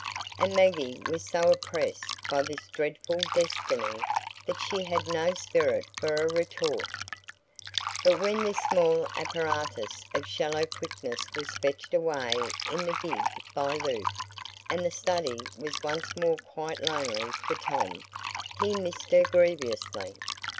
And Maggie was so oppressed by this dreadful destiny that she had no spirit for a retort. But when this small apparatus of shallow quickness was fetched away in the gig by Luke, and the study was once more quite lonely for Tom, he missed her grievously.